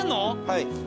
はい。